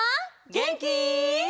げんき？